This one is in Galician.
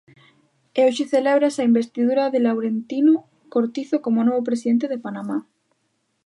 E hoxe celébrase a investidura de Laurentino Cortizo como novo presidente de Panamá.